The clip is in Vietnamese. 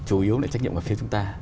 chủ yếu là trách nhiệm của phía chúng ta